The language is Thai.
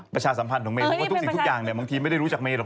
ประชาสัมพันธ์ของเมเพราะทุกศิตอ์ทุกอย่างมองที่มันไม่ได้รู้จักเมหรอก